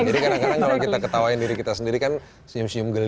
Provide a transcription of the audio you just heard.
jadi kadang kadang kalau kita ketawain diri kita sendiri kan senyum senyum geli